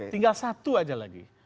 tinggal satu aja lagi